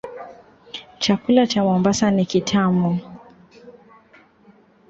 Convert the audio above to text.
Chakula cha Mombasa ni kitamu.